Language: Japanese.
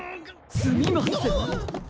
すみません！